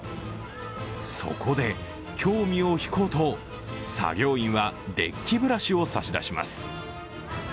そこで、興味を引こと作業員はデッキブラシを差し出します。